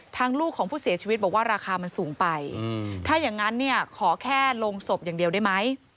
ลูกของผู้เสียชีวิตบอกว่าราคามันสูงไปถ้าอย่างนั้นเนี่ยขอแค่ลงศพอย่างเดียวได้ไหม